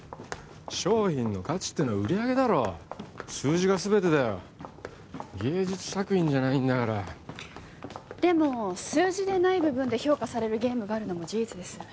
商品の価値ってのは売上だろ数字が全てだよ芸術作品じゃないんだからでも数字でない部分で評価されるゲームがあるのも事実です